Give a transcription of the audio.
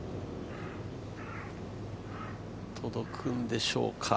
届くんでしょうか。